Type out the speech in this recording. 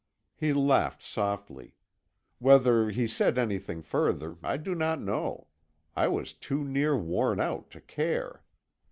He laughed softly. Whether he said anything further, I do not know. I was too near worn out to care.